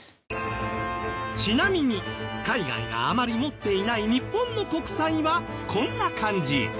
ちなみに海外があまり持っていない日本の国債はこんな感じ。